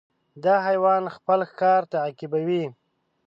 دا حیوان خپل ښکار تعقیبوي.